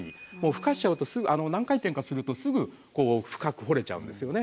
ふかしちゃうとすぐ何回転かするとすぐこう深く掘れちゃうんですよね。